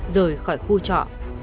rời khỏi khu trọ